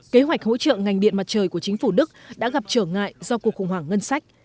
kế hoạch hỗ trợ ngành điện mặt trời của chính phủ đức đã gặp trở ngại do cuộc khủng hoảng ngân sách